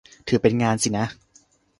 ถือเป็นงานสินะ